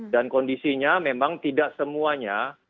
dan kondisinya memang tidak semuanya